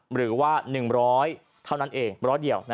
หรือว่า๑๐๐เท่านั้นเองร้อยเดียว